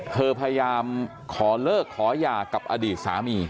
พยายามขอเลิกขอหย่ากับอดีตสามี